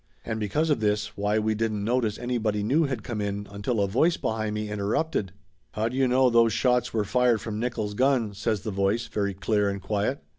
And because of this, why we didn't notice anybody new had come in until a voice behind me in terrupted. "How do you know those shots were fired from Nickolls' gun ?" says the voice, very clear and quiet.